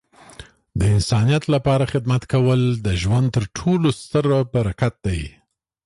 د انسانیت لپاره خدمت کول د ژوند تر ټولو ستره برکت دی.